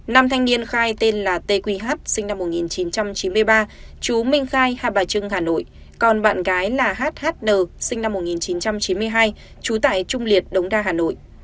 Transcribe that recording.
năm thanh niên khai tên là t q h sinh năm một nghìn chín trăm chín mươi ba chú minh khai hà bà trưng hà nội còn bạn gái là h h n sinh năm một nghìn chín trăm chín mươi hai chú tại trung liệt đống đa hà nội